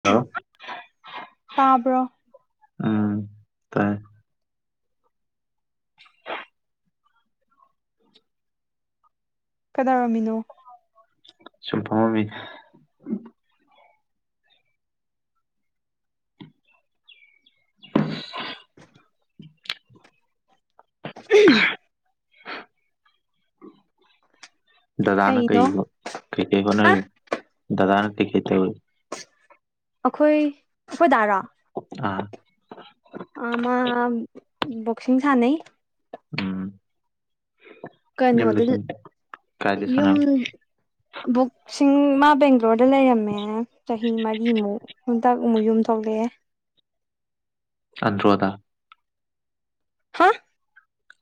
Hello ꯇꯥꯕ꯭ꯔꯣ? ꯎꯝ ꯇꯥꯏ [inaudible] [unintelligible] ꯀꯩꯗꯧꯔꯝꯃꯤꯅꯣ ꯁꯨꯝ ꯐꯝꯃꯝꯃꯤꯅꯦ [inaudible] [unintelligible] [inaudible] [unintelligible] ꯗꯗꯥꯗꯥꯅ ꯀꯩꯅꯣ ꯀꯩꯕ ꯀꯩꯀꯩ ꯑ ꯍꯣꯠꯅꯔꯤ ꯗꯗꯥꯅ ꯀꯩꯀꯩ ꯇꯩꯔꯤ ꯑꯩꯈꯣꯏ ꯑꯩꯈꯣꯏ ꯗꯥꯔꯣ ꯑꯥ ꯑꯥ ꯃꯥ ꯕꯣꯛꯁꯤꯡ ꯁꯥꯟꯅꯩ ꯎꯝ ꯌꯨꯝꯗ ꯀꯩꯅꯣꯗ ꯁꯨꯝ ꯀꯥꯏꯗ ꯁꯥꯅꯕ ꯕꯨꯛꯁꯤꯡ ꯃꯥ ꯕꯦꯡꯒ꯭ꯂꯣꯔꯗ ꯂꯩꯔꯝꯃꯦ ꯆꯍꯤ ꯃꯔꯤꯃꯨꯛ ꯍꯟꯗꯛ ꯑꯃꯨꯛ ꯌꯨꯝ ꯊꯣꯛꯂꯛꯑꯦ꫰ ꯑꯟꯗ꯭ꯔꯣꯗ ꯍꯥ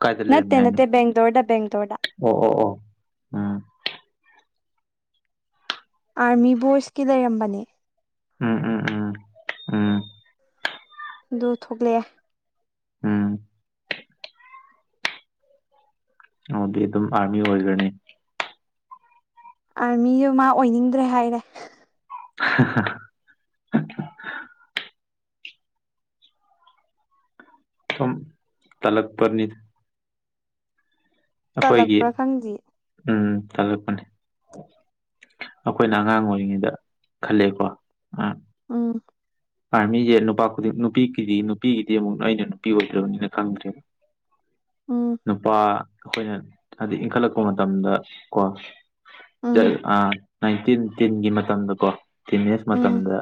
ꯀꯥꯏꯗ ꯂꯩꯔꯝꯃꯦ ꯅꯠꯇꯦ ꯍꯥꯏꯅ ꯅꯠꯇꯦ ꯕꯦꯡꯒ꯭ꯂꯣꯔꯗ ꯕꯦꯡꯒ꯭ꯂꯣꯔꯗ ꯑꯣ ꯑꯣ ꯑꯣ ꯎꯝ ꯑꯥꯔꯃꯤ ꯕꯣꯏꯁꯀꯤ ꯂꯩꯔꯝꯕꯅꯦ ꯎꯝ ꯎꯝ ꯎꯝ ꯎꯝ ꯑꯗꯨ ꯊꯣꯛꯂꯛꯑꯦ ꯎꯝ ꯑꯗꯨꯗꯤ ꯑꯗꯨꯝ ꯑꯥꯔꯃꯤ ꯑꯣꯏꯒꯅꯤ ꯑꯥꯔꯃꯤꯗꯨ ꯃꯥ ꯑꯣꯏꯅꯤꯡꯗ꯭ꯔꯦ ꯍꯥꯏꯔꯦ [inaudible] ꯁꯨꯝ ꯇꯜꯂꯛꯄꯅꯤ ꯑꯩꯈꯣꯏꯒꯤ ꯇꯜꯂꯛꯄ꯭ꯔꯥ ꯈꯪꯗꯦ ꯎꯝ ꯇꯂꯛꯄꯅꯤ ꯑꯩꯈꯣꯏꯅ ꯑꯉꯥꯡ ꯑꯣꯏꯔꯤꯉꯩꯗ ꯈꯜꯂꯦꯀꯣ ꯎꯝ ꯑꯥꯔꯃꯤꯁꯦ ꯅꯨꯄꯥ ꯈꯨꯗꯤꯡ ꯅꯨꯄꯤꯒꯤꯗꯤ ꯅꯨꯄꯤꯒꯤꯗꯤ ꯑꯃꯨꯛ ꯑꯩꯅ ꯅꯨꯄꯤ ꯑꯣꯏꯗ꯭ꯔꯕꯅꯤꯅ ꯈꯪꯗ꯭ꯔꯦ ꯎꯝ ꯅꯨꯄꯥ ꯑꯩꯈꯣꯏꯅ ꯍꯥꯏꯗꯤ ꯏꯟꯈꯠꯂꯛꯄ ꯃꯇꯝꯗ ꯀꯣ ꯎꯝ ꯅꯥꯏꯟꯇꯤꯟ ꯇꯤꯟꯒꯤ ꯃꯇꯝꯗꯀꯣ ꯇꯤꯟ ꯑꯦꯖ ꯎꯝ ꯃꯇꯝꯗ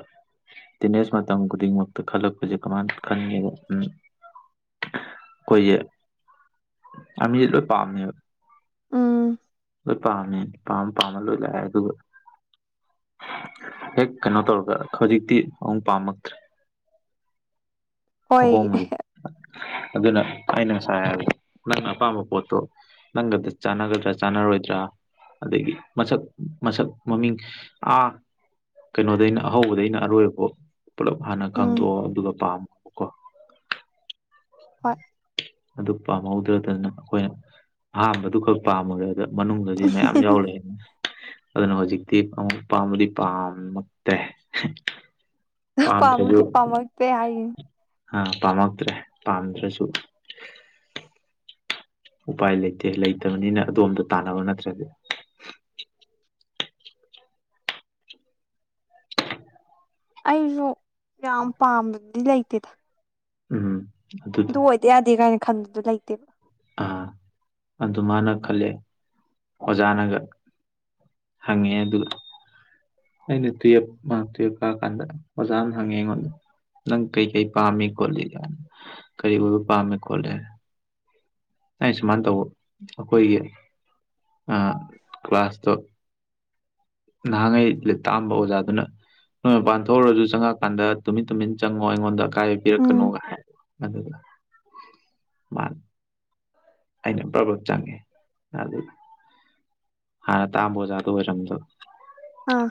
ꯇꯦꯅꯦꯁ ꯃꯇꯝ ꯈꯨꯗꯤꯡꯃꯛꯇ ꯈꯜꯂꯛꯄꯁꯦ ꯀꯃꯥꯏꯅ ꯈꯟꯒꯦꯕ ꯎꯝ ꯑꯩꯈꯣꯏꯁꯦ ꯑ꯭ꯔꯃꯤꯁꯦ ꯂꯣꯏ ꯄꯝꯃꯦꯕ ꯎꯝ ꯂꯣꯏ ꯄꯥꯝꯃꯤ ꯑꯄꯥꯝ ꯄꯥꯝꯃ ꯂꯣꯏ ꯂꯥꯛꯑꯦ ꯑꯗꯨꯒ ꯍꯦꯛ ꯀꯩꯅꯣ ꯇꯧꯔꯒ ꯍꯧꯖꯤꯛꯇꯤ ꯑꯃꯨꯛ ꯄꯥꯝꯃꯛꯇ꯭ꯔꯦ ꯍꯣꯏ ꯑꯍꯣꯡꯉꯏ ꯑꯗꯨꯅ ꯑꯩꯅ ꯉꯁꯥꯏ ꯍꯥꯏꯕꯗ ꯅꯪꯅ ꯑꯄꯥꯝꯕ ꯄꯣꯠꯇꯣ ꯅꯪꯒꯗꯤ ꯆꯥꯅꯒꯗ꯭ꯔꯥ ꯆꯥꯅꯔꯣꯏꯗ꯭ꯔꯥ ꯑꯗꯒꯤ ꯃꯁꯛ ꯃꯁꯛ ꯃꯃꯤꯡ ꯑ ꯀꯩꯅꯣꯗꯩꯅ ꯑꯍꯧꯕꯗꯩꯅ ꯑꯔꯣꯏꯕ ꯕꯨꯛ ꯄꯨꯂꯞ ꯍꯥꯟꯅ ꯎꯝ ꯈꯪꯗꯑꯣ ꯑꯗꯨꯒ ꯄꯥꯝꯃꯕꯀꯣ ꯍꯣꯏ ꯑꯗꯨ ꯄꯥꯝꯍꯧꯗ꯭ꯔꯗꯅ ꯑꯩꯈꯣꯏꯅ ꯑꯍꯝꯕꯗꯨ ꯈꯛ ꯄꯥꯝꯃꯨꯔꯒꯥ ꯃꯅꯨꯡꯗꯗꯤ ꯃꯌꯥꯝ ꯌꯥꯎ ꯂꯩꯔꯝꯃꯤ ꯑꯗꯨꯅ ꯍꯧꯖꯤꯛꯇꯤ ꯄꯥꯝꯕꯗꯤ ꯄꯥꯝꯃꯛꯇꯦ ꯄꯥꯝꯗ꯭ꯔꯁꯨ ꯄꯥꯝꯕꯨꯗꯤ ꯄꯥꯝꯃꯛꯇꯦ ꯍꯥꯏꯔꯤꯅꯤ ꯑꯥ ꯄꯥꯝꯃꯛꯇ꯭ꯔꯦ ꯄꯥꯝꯗ꯭ꯔꯁꯨ ꯎꯄꯥꯏ ꯂꯩꯇꯦ ꯂꯩꯇꯕꯅꯤꯅ ꯑꯗꯣꯝꯗ ꯇꯥꯟꯅꯕ ꯅꯠꯇ꯭ꯔꯗꯤ ꯑꯩꯁꯨ ꯌꯥꯝ ꯄꯥꯝꯕꯗꯤ ꯂꯩꯇꯦꯗ ꯎꯝꯝ ꯑꯗꯨ ꯑꯣꯏꯗ ꯌꯥꯗꯦ ꯀꯥꯏꯅ ꯈꯟꯕꯗꯨ ꯂꯩꯇꯦꯕ ꯑꯥ ꯑꯗꯨ ꯃꯥꯅ ꯈꯜꯂꯦ ꯑꯣꯖꯥꯅꯒ ꯍꯪꯉꯦ ꯑꯗꯨꯒ ꯑꯩꯅ ꯇꯨꯌꯦꯞ ꯇꯨꯌꯦꯞ ꯀꯥ ꯀꯥꯟꯗ ꯑꯣꯖꯥꯅ ꯍꯪꯉꯤ ꯑꯩꯉꯣꯟꯗ ꯅꯪ ꯀꯩꯀꯩ ꯄꯥꯝꯃꯤ ꯈꯣꯠꯂꯤ ꯀꯩ ꯀꯔꯤ ꯑꯣꯏꯕ ꯄꯥꯝꯃꯦ ꯈꯣꯠꯂꯦ ꯑꯩ ꯁꯨꯃꯥꯏꯅ ꯇꯧꯕ ꯑꯩꯈꯣꯏꯒꯤ ꯀ꯭ꯂꯥꯁꯇꯣ ꯅꯍꯥꯟꯉꯩ ꯇꯥꯝꯕ ꯑꯣꯖꯥꯗꯨꯅ ꯅꯣꯏ ꯃꯄꯥꯟ ꯊꯣꯛꯎꯔꯁꯨ ꯆꯪꯉꯛꯀꯥꯟꯗ ꯇꯨꯃꯤꯟ ꯇꯨꯃꯤꯟ ꯆꯪꯉꯣ ꯑꯩꯉꯣꯟꯗ ꯑꯀꯥꯏꯕꯥ‌ ꯎꯝ ꯄꯤꯔꯛꯀꯅꯣ ꯑꯗꯨ ꯃꯥꯅꯤ ꯑꯩꯅ ꯕ꯭ꯔꯕꯠ ꯆꯪꯉꯦ ꯍꯥꯟꯅ ꯇꯥꯝꯕ ꯑꯣꯖꯥꯗꯣ ꯑꯣꯏꯔꯝꯗꯣ ꯑꯥ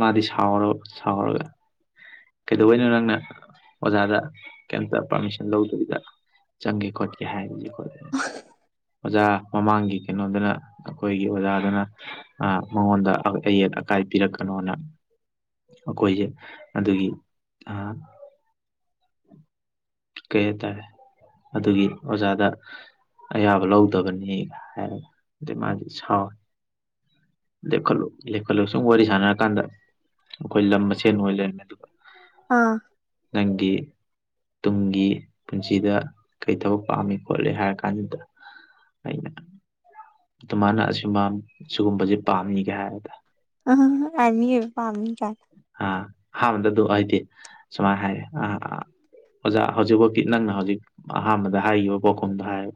ꯃꯥꯗꯤ ꯁꯥꯎꯔ ꯁꯥꯎꯔꯒ ꯀꯩꯗꯧꯕꯩꯅꯣ ꯅꯪꯅ ꯑꯣꯖꯥꯗ ꯀꯩꯝꯇ ꯄꯥꯔꯃꯤꯁꯟ ꯂꯧꯗꯣꯕꯤꯗ ꯆꯪꯒꯦ ꯈꯣꯠꯀꯦ ꯍꯥꯏꯗꯕꯤꯗ ꯍꯥꯏ [inaudible] ꯑꯣꯖꯥ ꯃꯃꯥꯡꯒꯤ ꯀꯩꯅꯣꯗꯅ ꯑꯩꯈꯣꯏ ꯑꯩ ꯑꯣꯖꯥꯗꯨꯅ ꯑ ꯃꯉꯣꯟꯗ ꯑꯌꯦꯠ ꯑꯀꯥꯏ ꯄꯤꯔꯛꯀꯅꯣꯅ ꯑꯩꯈꯣꯏꯁꯦ ꯑꯗꯨꯒꯤ ꯑꯥ ꯀꯩ ꯍꯥꯏꯇꯥꯔꯦ ꯑꯗꯨꯒꯤ ꯑꯣꯖꯥꯗ ꯑꯌꯥꯕ ꯂꯧꯗꯕꯅꯤ ꯍꯥꯏꯔꯒ ꯑꯗꯩ ꯃꯥꯗꯤ ꯁꯥꯎꯋꯦ ꯂꯦꯞꯈꯠꯂꯨ ꯂꯦꯞꯈꯠꯂꯨ ꯁꯨꯝ ꯋꯥꯔꯤ ꯁꯥꯟꯅꯔꯀꯥꯟꯗ ꯑꯩꯈꯣꯏ ꯂꯝ ꯃꯁꯦꯟ ꯑꯣꯏ ꯂꯩꯔꯝꯃꯦ ꯑꯗꯨꯒ ꯑꯥ ꯅꯪꯒꯤ ꯇꯨꯡꯒꯤ ꯄꯨꯟꯁꯤꯗ ꯀꯩ ꯊꯕꯛ ꯄꯥꯝꯃꯤ ꯈꯣꯠꯂꯤ ꯍꯥꯏꯔ ꯀꯥꯟꯁꯤꯗ ꯑꯩ ꯑꯗꯨꯃꯥꯏꯅ ꯑꯁꯤꯒꯨꯝꯕ ꯁꯤꯒꯨꯝꯕꯁꯤ ꯄꯥꯝꯃꯤꯒ ꯍꯥꯏꯔ [unintelligible] ꯑ ꯑꯍꯥꯟꯕꯗ ꯑꯗꯨ ꯑꯩꯗꯤ ꯁꯨꯃꯥꯏꯅ ꯍꯥꯏꯔꯦ ꯑ ꯑꯣꯖꯥ ꯍꯧꯖꯤꯛꯐꯧꯇꯤ ꯅꯪꯅ ꯍꯧꯖꯤꯛ ꯑꯍꯥꯟꯕꯗ ꯍꯥꯏꯈꯤꯕ ꯄꯥꯎꯈꯨꯝꯗꯣ ꯍꯥꯏ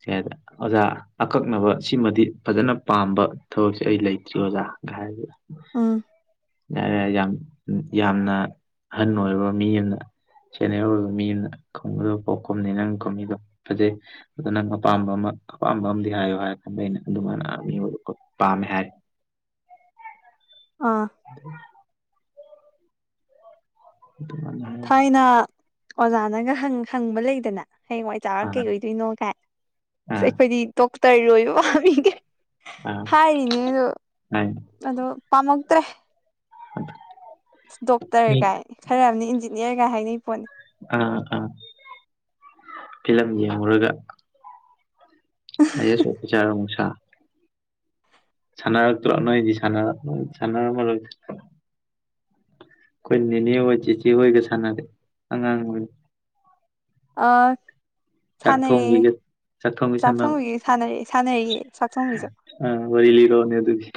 ꯀꯩ ꯍꯥꯏ ꯑꯣꯖꯥ ꯑꯀꯛꯅꯕ ꯁꯤꯃꯗꯤ ꯐꯖꯅ ꯄꯥꯝꯕ ꯊꯕꯛꯁꯦ ꯑꯩ ꯂꯩꯇ꯭ꯔꯤ ꯑꯣꯖꯥꯥ ꯀꯥꯏ ꯑꯥ ꯌꯥꯔꯦ ꯌꯥꯔꯦ ꯌꯥꯝ ꯌꯥꯝꯅ ꯑꯍꯟ ꯑꯣꯏꯔꯕ ꯃꯤ ꯑꯃꯅ ꯁꯦꯟꯅꯤꯌꯔ ꯑꯣꯏꯕ ꯃꯤ ꯑꯃꯅ ꯈꯨꯝꯒꯗꯕ ꯄꯥꯎꯈꯨꯝꯅꯤ ꯅꯪ ꯈꯨꯝꯃꯤꯗꯣ ꯐꯖꯩ ꯑꯗꯣ ꯅꯪ ꯑꯄꯥꯝꯕ ꯑꯃ ꯑꯄꯥꯝꯕ ꯑꯝꯗꯤ ꯍꯥꯏꯌꯣ ꯍꯥꯏꯔꯀꯥꯟꯗ ꯑꯩꯅ ꯑꯗꯨꯃꯥꯏꯅ ꯑꯥꯔꯃꯤ ꯑꯣꯏꯕ ꯄꯥꯝꯃꯦ ꯍꯥꯏ ꯑꯥ [inaudible] [unintelligible] ꯊꯥꯏꯅ ꯑꯣꯖꯥꯅꯒ ꯍꯪ ꯍꯪꯕ ꯂꯩꯗꯅ ꯍꯌꯦꯡꯋꯥꯏ ꯆꯥꯎꯔ ꯀꯩ ꯑꯥ ꯑꯣꯏꯗꯣꯏꯅꯣ ꯀꯥꯏ ꯑꯥ ꯑꯩꯈꯣꯏꯗꯤ ꯗꯣꯛꯇꯔ ꯑꯣꯏꯕ ꯄꯥꯝꯃꯤꯒꯥꯏ ꯑꯥ ꯍꯥꯏꯔꯤꯅꯤ ꯑꯗꯣ ꯍꯥꯏ ꯑꯗꯣ ꯄꯥꯝꯃꯛꯇ꯭ꯔꯦ [unintelligible] ꯗꯣꯛꯇꯔ ꯃꯤ ꯀꯥꯏ ꯈꯔ ꯑꯃꯅ ꯏꯟꯖꯤꯅꯤꯌꯥꯔ ꯀꯥꯏ ꯍꯥꯏꯅꯩ ꯄꯣꯠꯅꯤ ꯑꯥ ꯑꯥ ꯐꯤꯂꯝ ꯌ‌ꯦꯡꯉꯨꯔꯒ ꯑꯥꯌꯦꯁ ꯑ‌ꯣꯐꯤꯁꯥꯔ ꯑꯃꯨꯛ ꯁꯥ ꯁꯥꯅꯛꯇ꯭ꯔ‌ꯣ ꯅꯣꯏꯗꯤ ꯁꯥꯟꯅ ꯁꯥꯟꯅꯔꯝꯃꯔ‌ꯣꯏꯗ ꯑꯩꯈꯣꯏ ꯅꯦꯅꯦ ꯍꯣꯏ ꯆꯤꯆꯦ ꯍꯣꯏꯒ ꯁꯥꯟꯅꯔꯦ ꯑꯉꯥꯡ ꯑꯣꯏꯔꯤ ꯑ ꯁꯥꯟꯅꯔꯛꯑꯦ ꯆꯥꯛꯊꯣꯡꯕꯤꯒ ꯆꯥꯛꯊꯣꯡꯕꯤ ꯁꯥꯟꯅꯕ ꯆꯥꯛꯊꯣꯡꯕꯤꯒꯤ ꯁꯥꯟꯅꯔꯛꯑꯦ ꯁꯥꯟꯅꯔꯛꯑꯦ ꯆꯥꯛꯊꯣꯡꯕꯤꯁꯨ ꯑ ꯋꯥꯔꯤ ꯂꯤꯔꯛꯑꯣꯅꯦ ꯑꯗꯨꯒꯤ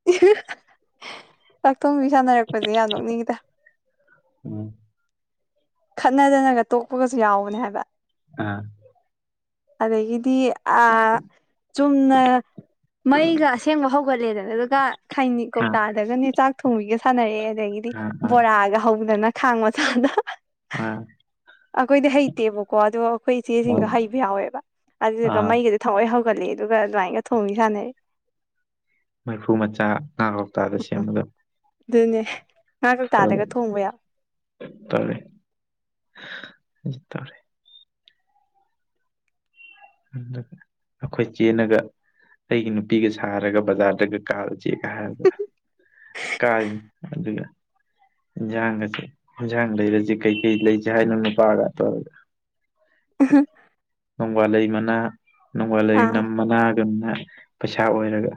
[unintelligible] ꯆꯥꯛꯊ‌ꯣꯡꯕꯤ ꯁꯥꯟꯅꯔꯛꯄꯁꯦ ꯌꯥꯝ ꯅꯣꯛꯅꯤꯡꯉꯤꯗ ꯎꯝ ꯈꯠꯅꯗꯅꯒ ꯇꯣꯛꯄꯒꯁꯨ ꯌꯥꯎꯕꯅꯦ ꯍꯥꯏꯕ ꯑ ꯑꯗꯒꯤꯗꯤ ꯑꯥ ꯆꯨꯝꯅ ꯃꯩꯒ ꯑꯁꯦꯡꯕ ꯍꯧꯒꯠꯂꯦꯗꯅ ꯑꯗꯨꯒ ꯈꯩꯅꯤ ꯑꯥ ꯀꯧꯇꯥꯗꯒꯅ‌ꯦ ꯆꯥꯛ ꯊꯣꯡꯕꯤꯒ ꯁꯥꯟꯅꯔꯛꯑꯦ ꯑꯗꯒꯤꯗꯤ ꯑꯥ ꯕꯣꯔꯥꯒ ꯍꯧꯗꯅ ꯈꯥꯡ ꯃꯆꯥꯗ ꯃꯥꯟꯅꯤ ꯑꯩꯈꯣꯏꯗꯤ ꯍꯩꯇꯦꯕꯀꯣ ꯑꯗꯣ ꯑꯩꯈꯣꯏ ꯏꯆꯦꯁꯤꯡꯗꯣ ꯍꯩꯕ ꯌꯥꯎꯋꯦꯕ ꯑꯗꯨꯗꯨꯒ ꯑꯥ ꯃꯩꯒꯥꯖꯦ ꯊꯑꯣꯏ ꯍꯧꯒꯠꯂ‌ꯦ ꯑꯗꯨꯒ ꯑꯗꯨꯃꯥꯏꯅꯒ ꯊꯣꯡꯕꯤ ꯁꯥꯟꯅꯩ ꯃꯩꯐꯨ ꯃꯆꯥ ꯉꯥ ꯍꯥꯎꯇꯥꯗ ꯎꯝ ꯁꯦꯝꯕꯗꯣ꯫ ꯑꯗꯨꯅꯦ ꯉꯥ ꯀꯧꯇꯥꯗꯒ ꯊꯣꯡꯕ ꯌꯥꯎ꯫ ꯇꯥꯜꯂꯦ꯫ [unintelligible] ꯑꯩꯈꯣꯏ ꯆꯦꯅꯒ ꯑꯩꯒꯤ ꯅꯨꯄꯤꯒ ꯁꯥꯔꯒ ꯕꯖꯥꯔꯗꯒ ꯀꯥꯔꯨꯖ‌ꯦꯒ ꯍꯥꯏꯔꯒ ꯀꯥꯔꯤꯃꯤ ꯑꯗꯨꯒ ꯏꯟꯖꯥꯡꯒꯁꯦ ꯏꯟꯖꯥꯡ ꯂꯩꯔꯖ‌ꯦ ꯀꯩꯀꯩ ꯂꯩꯁꯦ ꯍꯥꯏꯅꯣ ꯅꯨꯄꯥꯒ ꯇꯧꯔꯒ꯫ [unintelligible] ꯅꯣꯡꯕꯥꯜꯂꯩ ꯃꯅꯥ ꯑꯥ ꯅꯣꯡꯕꯥꯜꯂꯩꯅꯝ ꯃꯅꯥꯒꯅ ꯄꯩꯁꯥ ꯑꯣꯏꯔꯒ꯫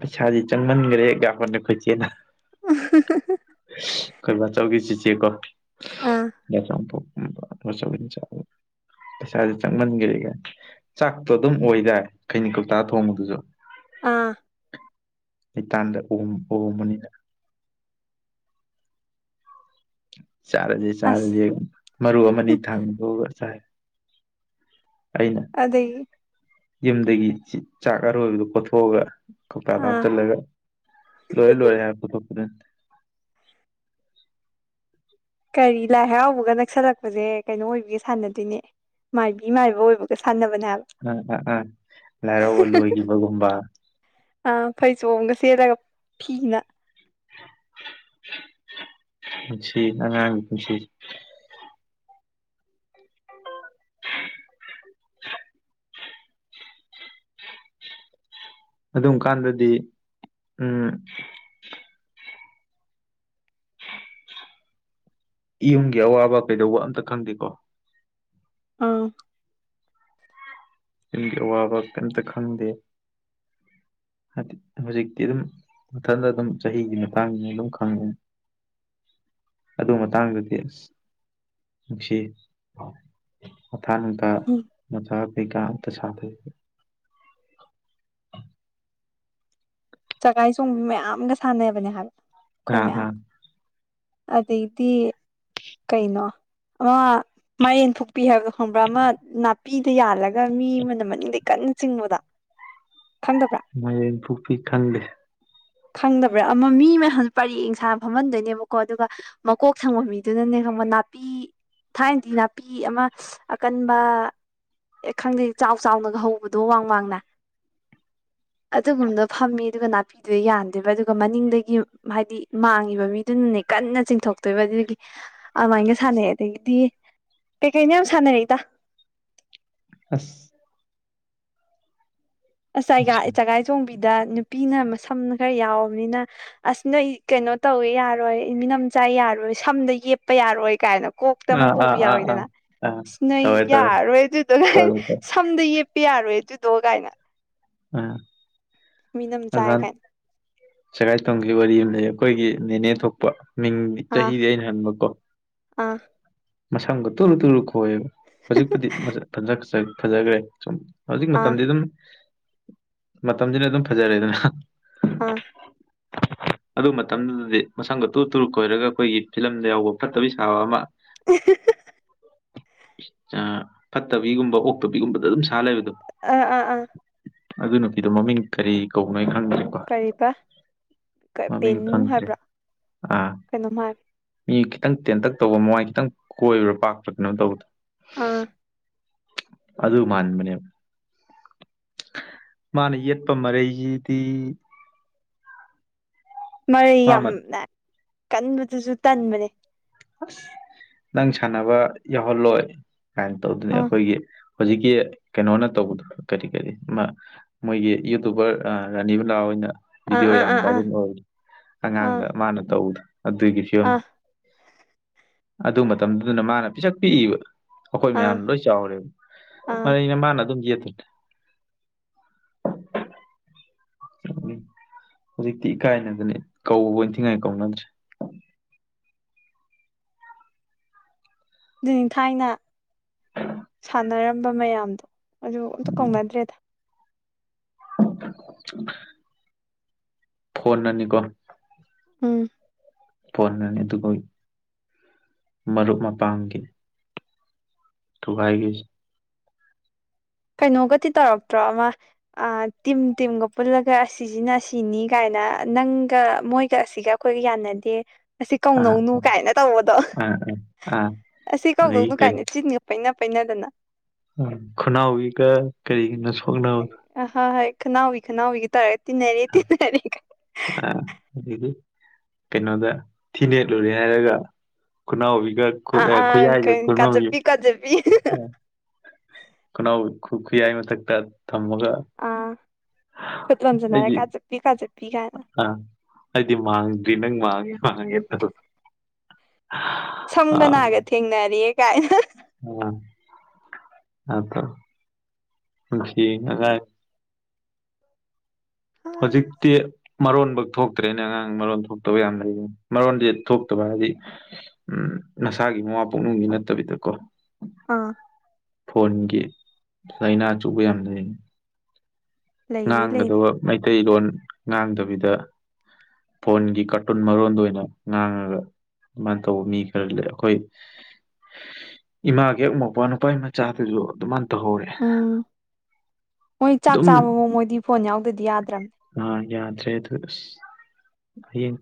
ꯄꯩꯁꯥꯗꯤ ꯆꯪꯃꯟꯈ꯭ꯔꯦꯒ [unintelligible] ꯈꯣꯏꯆ‌ꯦꯅ꯫ [unintelligible] ꯑꯩꯈ‌ꯣꯏ ꯕꯥꯆꯧꯒꯤ ꯑꯥ ꯆꯤꯆ‌ꯦꯀ‌ꯣ [unintelligible] [inaudible] ꯄꯩꯁꯥꯥꯁꯦ ꯆꯪꯃꯟꯈ꯭ꯔꯦꯒꯥꯏ ꯆꯥꯛꯇꯣ ꯑꯗꯨꯝ ꯑꯣꯏꯗꯥꯏ ꯈꯩꯅꯤ ꯀꯧꯇꯥ ꯊꯣꯡꯕꯗꯨꯁꯨ꯫ ꯑꯥ꯫ ꯃꯇꯥꯟꯗ ꯑꯣꯝ ꯑꯣꯝꯕꯅꯤꯗ꯫ ꯆꯥꯔꯁꯦ ꯑꯁ ꯆꯥꯔꯁꯦ ꯃꯔꯨ ꯑꯃꯅꯤ ꯊꯥꯝ ꯗ‌ꯣꯒ ꯆꯥꯏ ꯑꯩꯅ ꯑꯗꯩꯒꯤ ꯌꯨꯝꯗꯒꯤ ꯆꯥꯛ ꯑꯔꯣꯏꯕꯗꯣ ꯀꯣꯊꯣꯛꯑꯒ ꯀꯪꯇꯥꯗ ꯑꯥ ꯍꯥꯞꯆꯜꯂꯒ ꯂꯣꯏꯔꯦ ꯂꯣꯏꯔꯦ ꯍꯥꯏꯔ ꯄꯨꯊ‌ꯣꯛꯄꯗꯨ꯫ ꯀꯔꯤ ꯂꯥꯏ ꯍꯔꯥꯎꯕꯒ ꯅꯛꯁꯜꯂꯛꯄꯁꯦ ꯀꯩꯅꯣ ꯑꯣꯏꯕꯤꯒ ꯁꯥꯟꯅꯗꯣꯏꯅꯦ꯫ ꯃꯥꯏꯕꯤ ꯃꯥꯏꯕ ꯑꯣꯏꯕꯒ ꯁꯥꯟꯅꯕꯅꯦ ꯍꯥꯏꯕ꯫ ꯑꯝ ꯑ ꯑꯥ ꯂꯥꯏꯔꯥꯎꯕ ꯂꯣꯏꯒꯤꯕꯒꯨꯝꯕ꯫ ꯑꯥ ꯐꯩꯖꯣꯝꯒ ꯁꯦꯠꯂꯒ ꯐꯤꯅ꯫ ꯄꯨꯟꯁꯤ ꯑꯉꯥꯡꯒꯤ ꯄꯨꯟꯁꯤ꯫ ꯑꯗꯨꯝ ꯀꯥꯟꯗꯗꯤ ꯎꯝ ꯌꯨꯝꯒꯤ ꯑꯋꯥꯕ ꯀꯩꯗꯧꯕ ꯑꯝꯇ ꯈꯪꯗꯦꯀꯣ꯫ ꯑꯥ꯫ ꯌꯝꯒꯤ ꯑꯋꯥꯕ ꯀꯔꯤꯝꯇ ꯈꯪꯗꯦ ꯍꯧꯖꯤꯛꯇꯤ ꯑꯗꯨꯝ ꯃꯊꯟꯗ ꯑꯗꯨꯝ ꯆꯍꯤꯒꯤ ꯃꯇꯥꯡꯅꯦ ꯑꯗꯨꯝ ꯈꯪꯕꯅꯤ꯫ ꯑꯗꯨ ꯃꯇꯥꯡꯗꯗꯤ ꯅꯨꯡꯁꯤ ꯃꯊꯥ ꯃꯆꯥꯥ [unintelligible] ꯎꯝ꯫ ꯆꯒꯥꯏ ꯆꯣꯡꯕꯤ ꯃꯌꯥꯝꯒ ꯁꯥꯟꯅꯕꯅꯦ ꯍꯥꯏꯕ ꯑꯩꯈꯣꯏ ꯑꯥ ꯃꯌꯥꯝ꯫ ꯑꯥ ꯑꯗꯩꯩꯗꯤ ꯀꯩꯩꯅꯣ ꯑ ꯃꯔꯦꯟ ꯊꯣꯛꯄꯤ ꯍꯥꯏꯕꯗꯣ ꯈꯪꯕ꯭ꯔꯥ ꯑꯃ ꯅꯥꯄꯤꯗ ꯌꯥꯜꯂꯒ ꯃꯤ ꯑꯃꯅ ꯃꯅꯤꯡꯗꯩ ꯀꯟꯅ ꯆꯤꯡꯕꯗꯣ꯫ ꯈꯪꯗꯕ꯭ꯔꯥ꯫ ꯃꯌꯦꯡ ꯄꯨꯄꯤ ꯈꯟꯗꯦ꯫ ꯈꯪꯗꯕ꯭ꯔꯥ ꯑꯃ ꯃꯤ ꯃꯌꯥꯝꯁꯨ ꯄꯔꯦꯡ ꯌꯦꯟꯁꯥꯡꯅ ꯐꯝꯍꯟꯗꯣꯏꯅꯦꯕꯀꯣ ꯑꯗꯨꯒ ꯃꯀꯣꯛ ꯊꯪꯕ ꯃꯤ ꯑꯗꯨꯅꯅꯦ ꯈꯪꯕ ꯅꯥꯄꯤ ꯊꯥꯏꯅꯗꯤ ꯅꯥꯄꯤ ꯑꯃ ꯑꯀꯟꯕ ꯑꯦ ꯈꯪꯗꯦ ꯆꯥꯎ ꯆꯥꯎꯅꯒ ꯍꯧꯕꯗꯣ ꯋꯥꯡ ꯋꯥꯡꯅ꯫ [inaudible] ꯑꯗꯨꯒꯨꯝꯗꯣ ꯐꯝꯃꯤ ꯑꯗꯨꯒ ꯅꯥꯄꯤ ꯃꯤꯗꯨ ꯌꯥꯟꯗꯦꯕ ꯑꯗꯨꯒ ꯃꯅꯤꯡꯗꯒꯤ ꯍꯥꯏꯗꯤ ꯃꯥꯡꯉꯤꯕ ꯃꯤꯗꯨꯅꯅꯦ ꯀꯟꯅ ꯆꯤꯡꯊꯣꯛꯇꯣꯏꯕ ꯑꯗꯨꯒꯤ ꯑꯗꯨꯃꯥꯏꯒ ꯁꯥꯟꯅꯩ ꯑꯗꯒꯤꯗꯤ ꯀꯩꯀꯩꯅꯣ ꯌꯥꯝ ꯁꯥꯟꯅꯔꯛꯏꯗ ꯑꯁ ꯑꯁ ꯅꯨꯡꯁꯤ ꯆꯒꯥꯏ ꯆꯒꯥꯏ ꯆꯣꯡꯕꯤꯗ ꯅꯨꯄꯤꯅ ꯃꯁꯝꯅ ꯈꯔ ꯌꯥꯎꯕꯅꯤꯅ ꯑꯁ ꯅꯣꯏ ꯀꯩꯅꯣ ꯇꯧꯋꯦ ꯌꯥꯔꯣꯏ ꯃꯤꯅꯝꯆꯥꯥꯏ ꯌꯥꯔꯣꯏ ꯁꯝꯗ ꯌꯦꯛꯄ ꯌꯥꯔꯣꯏ ꯀꯥꯏꯅ ꯀꯣꯛꯇ ꯑꯃ ꯑꯥ ꯄꯨꯕ ꯑꯥ ꯑꯥ ꯑꯥ ꯌꯥꯎꯋꯤꯗꯅ ꯑꯥ ꯑꯁ ꯅꯣꯏ ꯇꯧꯔꯦ ꯇꯧꯔꯦ ꯌꯥꯔꯔꯣꯏ ꯑꯗꯨꯗꯣ ꯇꯧꯔꯦ ꯇꯧꯔꯦ ꯁꯝꯗ ꯌꯦꯞꯄ ꯌꯥꯔꯣꯏ ꯑꯗꯨꯗꯣ ꯀꯥꯏꯅ ꯑꯥ ꯃꯤꯅꯝ ꯆꯥꯏ ꯑꯗꯨ ꯀꯥꯏꯅ ꯁꯒꯥꯏ ꯇꯣꯡꯈꯤꯕ ꯋꯥꯔꯤ ꯑꯃ ꯂꯩ ꯑꯩꯈꯣꯏꯒꯤ ꯅꯦꯅꯦ ꯊꯣꯛꯄ ꯃꯤꯡ ꯑꯥ ꯆꯍꯤꯗꯤ ꯑꯩꯅ ꯍꯟꯕꯀꯣ ꯑꯥ ꯃꯁꯝꯒ ꯇꯨꯂꯨ ꯇꯨꯂꯨ ꯈꯣꯏꯑꯕ ꯍꯧꯖꯤꯛꯄꯨꯗꯤ ꯃꯁꯛ ꯐꯖꯈ꯭ꯔꯦ ꯁꯨꯝ ꯍꯧꯖꯤꯛ ꯑꯥ ꯃꯇꯝꯗꯤ ꯑꯗꯨꯝ ꯃꯇꯝꯁꯤꯅ ꯑꯗꯨꯝ ꯐꯖꯔꯦꯗꯅ ꯑꯥ [inaudible] ꯑꯗꯨ ꯃꯇꯝꯗꯨꯗꯗꯤ ꯃꯁꯪꯒ ꯇꯨ ꯇꯨꯔꯨ ꯀꯣꯏꯔꯒ ꯑꯩꯈꯣꯏꯒꯤ ꯐꯤꯂꯝꯗ ꯌꯥꯎꯕ ꯐꯠꯇꯕꯩ ꯁꯥꯕ ꯑꯃ [unintelligible] ꯑꯥ ꯐꯠꯇꯕꯤꯒꯨꯝꯕ ꯑꯣꯛꯇꯕꯤꯒꯨꯝꯕꯗ ꯑꯗꯨꯝ ꯁꯥ ꯂꯩꯕꯗꯣ ꯑꯥ ꯑꯥ ꯑꯥ ꯑꯗꯨ ꯅꯨꯄꯤꯗꯣ ꯃꯃꯤꯡ ꯀꯔꯤ ꯀꯧꯕꯅꯣ ꯈꯪꯗ꯭ꯔꯦ ꯀꯔꯤꯕ ꯕꯦꯅꯨ ꯈꯪꯗ꯭ꯔꯦ ꯍꯥꯏꯕ꯭ꯔꯥ ꯑꯥ ꯀꯩꯅꯣꯝ ꯍꯥꯏꯕ ꯃꯤ ꯈꯤꯇꯪ ꯇꯦꯟꯇꯛ ꯇꯧꯕ ꯃꯃꯥꯏ ꯈꯤꯇꯪ ꯀꯣꯏꯕ꯭ꯔꯥ ꯄꯥꯛꯄ ꯀꯩꯅꯣ ꯇꯧꯕꯗ ꯑꯥ ꯑꯗꯨ ꯃꯥꯟꯕꯅꯦꯕ ꯃꯥꯅ ꯌꯦꯠꯄ ꯃꯔꯩꯁꯤꯗꯤ ꯃꯔꯩ ꯃꯥꯃ ꯌꯥꯝꯅ ꯀꯟꯕꯗꯨꯁꯨ ꯇꯟꯕꯅꯦ ꯑꯁ ꯅꯪ ꯁꯥꯟꯅꯕ ꯌꯥꯎꯍꯜꯂꯣꯏ ꯀꯃꯥꯏꯅ ꯇꯧꯗꯅꯤ ꯑꯥ ꯑꯩꯈꯣꯏꯒꯤ ꯍꯧꯖꯤꯛꯀꯤ ꯀꯩꯅꯣꯅ ꯇꯧꯕꯗꯣ ꯀꯔꯤ ꯀꯔꯤ ꯑꯃ ꯃꯣꯏꯒꯤ ꯌꯨꯇꯨꯕꯔ ꯔꯥꯅꯤꯕꯂꯥꯣꯏ ꯑꯣꯏꯅ ꯑꯥ ꯚꯤꯗꯤꯑꯣ ꯌꯥꯝ ꯑꯥ ꯑꯥ ꯑꯥ ꯚꯥꯏꯔꯦꯟ ꯑꯣꯏ ꯑꯥ ꯑꯉꯥꯡꯗ ꯃꯥꯅ ꯇꯧꯕꯗꯣ ꯑꯗꯨꯒꯤ ꯐꯤꯕꯝꯅꯤ ꯑꯥ ꯑꯗꯨ ꯃꯇꯝꯗꯨꯅ ꯃꯥꯅ ꯄꯤꯁꯛ ꯄꯤꯛꯏꯕ ꯑꯩꯈꯣꯏ ꯑꯥ ꯃꯌꯥꯝ ꯂꯣꯏ ꯆꯥꯎꯔꯦꯕ ꯑꯥ ꯃꯔꯩꯅ ꯃꯥꯅ ꯑꯗꯨꯝ ꯌꯦꯠꯂꯤ ꯎꯝ ꯍꯧꯖꯤꯛꯇꯤ ꯏꯀꯥꯏꯅꯗꯅꯦ ꯀꯧꯕ ꯏꯟꯊꯤ ꯉꯥꯏ ꯀꯧꯅꯗ꯭ꯔꯦ ꯑꯗꯨ ꯅꯤ ꯊꯥꯏꯅ ꯁꯥꯟꯅꯔꯝꯕ ꯃꯌꯥꯝꯗꯣ ꯑꯗꯨ ꯑꯝꯇ ꯀꯧꯅꯗ꯭ꯔꯦꯗ [inaudible] ꯐꯣꯟꯅꯅꯤꯀꯣ ꯎꯝ ꯐꯣꯟꯅꯅꯤ ꯑꯗꯨꯒ ꯃꯔꯨꯞ ꯃꯄꯥꯡꯒꯤ ꯊꯨꯒꯥꯢꯒꯤꯖꯦ ꯀꯩꯅꯣꯒꯗꯤ ꯇꯧꯔꯛꯇ꯭ꯔꯣ ꯑꯃ ꯑꯜ ꯇꯤꯝ ꯇꯤꯝꯒ ꯄꯨꯜꯂꯒ ꯑꯁꯤꯁꯤꯅ ꯁꯤꯅꯤ ꯀꯥꯏꯅ ꯅꯪꯒ ꯃꯣꯏꯒ ꯑꯁꯤꯒ ꯈꯣꯏꯒ ꯌꯥꯅꯗꯦ ꯑꯁꯤ ꯑꯥ ꯀꯧꯅꯧꯅꯨ ꯀꯥꯏꯅ ꯇꯧꯕꯗꯣ ꯑꯥ ꯑꯥ ꯑꯥ ꯑꯁꯤ ꯑꯗꯒꯤ ꯀꯧꯅꯧꯅꯨ ꯀꯥꯏꯅ ꯆꯤꯟꯒ ꯄꯩꯅ ꯄꯩꯅꯥꯗꯅ ꯎꯝ ꯈꯨꯅꯥꯎꯋꯤꯒ ꯀꯔꯤꯒꯤꯅꯣ ꯁꯣꯛꯅꯕ ꯑ ꯍꯣꯏ ꯍꯣꯢ ꯈꯅꯥꯎꯋꯤ ꯈꯅꯥꯎꯕꯤ ꯒ ꯇꯧꯔ ꯑ ꯑꯗꯒꯤ ꯀꯩꯅꯣꯗ ꯊꯤ ꯅꯦꯠꯂꯨꯔꯦ ꯍꯥꯏꯔꯒ ꯈꯨꯅꯥꯎꯕꯤꯒ ꯑꯥ ꯈꯨꯠꯌꯥꯢ ꯑꯥ ꯈꯨꯌꯥꯢꯒ ꯈꯨꯅꯥꯎꯋꯤ ꯀꯥꯖꯞꯄꯤ ꯀꯥꯖꯞꯄꯤ [unintelligible] ꯈꯨꯅꯥꯎ ꯈꯨ ꯈꯨꯌꯥꯏ ꯃꯊꯛꯇ ꯊꯝꯃꯒ ꯑꯥ ꯈꯨꯠ ꯂꯣꯝꯖꯟꯅꯔ ꯀꯥ ꯆꯞꯄꯤ ꯀꯥ ꯆꯞꯄꯤ ꯀꯥꯏꯅ ꯑ ꯑꯩꯗꯤ ꯃꯥꯡꯗ꯭ꯔꯤ ꯅꯪ ꯃꯥꯡꯉꯦ ꯃꯥꯡꯉꯦ ꯇꯧ ꯁꯝꯒ ꯑꯥ ꯅꯥꯒ ꯊꯦꯡꯅꯔꯤꯌꯦ ꯀꯥꯏꯅ [unintelligible] ꯍꯧꯖꯤꯛꯇꯤ ꯃꯔꯣꯟꯕꯧ ꯊꯣꯛꯇ꯭ꯔꯦꯅꯦ ꯑꯉꯥꯡ ꯃꯔꯣꯟ ꯊꯣꯛꯇꯕ ꯌꯥꯝ ꯂꯩꯕꯅꯤ ꯃꯔꯣꯟꯗꯤ ꯊꯣꯛꯇꯕ ꯍꯥꯏꯕꯗꯤ ꯎꯝ ꯅꯁꯥꯒꯤ ꯃꯃꯥ ꯄꯣꯛꯅꯨꯡꯒꯤ ꯅꯠꯇꯕꯤꯗꯀꯣ ꯑꯥ ꯐꯣꯟꯒꯤ ꯂꯥꯏꯅꯥ ꯆꯨꯕ ꯌꯥꯝ ꯂꯩ ꯂꯩꯔꯦ ꯂꯩꯔꯦ ꯉꯥꯡꯒꯗꯕ ꯃꯩꯇꯩꯂꯣꯟ ꯉꯥꯡꯗꯕꯤꯗ ꯐꯣꯟꯒꯤ ꯀꯥꯔꯇꯨꯟ ꯃꯔꯣꯟꯗꯨ ꯑꯣꯏꯅ ꯉꯥꯡꯉꯒ ꯃꯥꯏꯟ ꯇꯧ ꯃꯤ ꯈꯔ ꯂꯩ ꯑꯩꯈꯣꯏ ꯏꯃꯥꯒꯤ ꯍꯦꯛ ꯃꯧꯄ꯭ꯋꯥ ꯅꯨꯄꯥꯒꯤ ꯃꯆꯥꯗꯨꯁꯨ ꯑꯗꯨꯃꯥꯏꯅ ꯇꯧꯍꯧꯔꯦ ꯎꯝ ꯃꯣꯏ ꯆꯥꯛ ꯑꯗꯨꯝ ꯆꯥꯕꯕꯧ ꯃꯣꯏꯗꯤ ꯐꯣꯟ ꯌꯥꯎꯗꯗꯤ ꯌꯥꯗ꯭ꯔꯕꯅꯦ ꯑ ꯌꯥꯗ꯭ꯔꯦ ꯑꯗꯨ ꯑꯁ ꯍꯌꯦꯡ